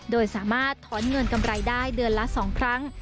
โดยสามารถถอนเงินกำไรได้เดือนละ๒ครั้ง